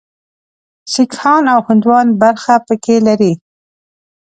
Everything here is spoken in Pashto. سیکهان او هندوان برخه پکې لري.